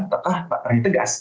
atau pak firdli tegas